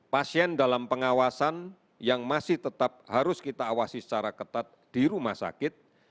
pasien dalam pengawasan yang masih tetap harus kita awasi secara ketat di rumah sakit